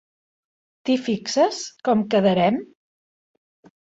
T'hi fixes, com quedarem?